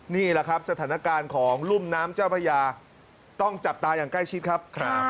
นี่แหละครับสถานการณ์ของรุ่มน้ำเจ้าพระยาต้องจับตาอย่างใกล้ชิดครับ